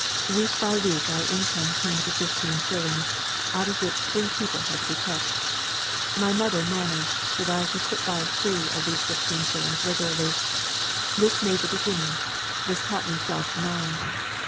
Week by week, our income came to fifteen shillings, out of which three people had to be kept. My mother managed so that I put by three out of these fifteen shillings regularly. This made the beginning; this taught me self denial.